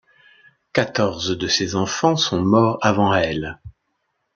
Quatorze de ses enfants sont morts avant elle.